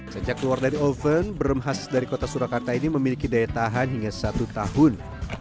sejak keluar dari oven brem khas dari kota surakarta ini memiliki daya tahan hingga satu tahun